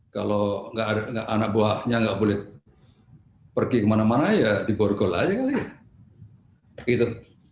kalau anak buahnya nggak boleh pergi kemana mana ya di borgol aja kali ya